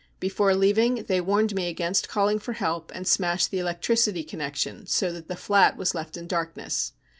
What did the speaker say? Before leaving they warned me against calling for help, and smashed the electricity con nection so that the flat was left in darkness.